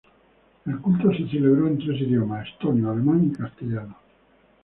El culto se celebró en tres idiomas: estonio, alemán y castellano.